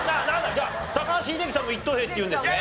じゃあ高橋英樹さんも一等兵っていうんですね？